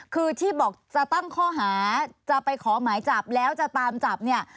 คือที่บอกจะตั้งข้อหาจะไปขอหมายจับแล้วจะตามจับเนี่ย